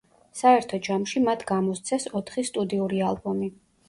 საერთო ჯამში მათ გამოსცეს ოთხი სტუდიური ალბომი.